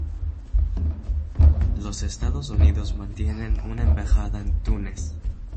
Los Estados Unidos mantienen una embajada en Túnez.